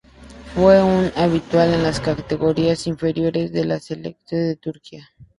Fue un habitual en las categorías inferiores con la selección de Turquía.